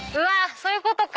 そういうことか！